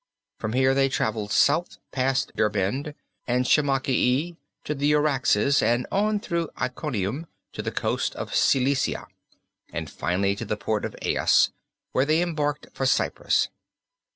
From here they traveled south past Derbend and Shamakii to the Uraxes, and on through Iconium to the coast of Cilicia, and finally to the port of Ayas, where they embarked for Cyprus.